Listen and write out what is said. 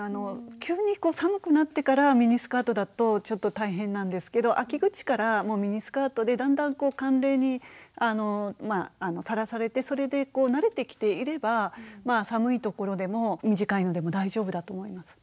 急に寒くなってからミニスカートだとちょっと大変なんですけど秋口からもうミニスカートでだんだん寒冷にさらされてそれで慣れてきていれば寒い所でも短いのでも大丈夫だと思います。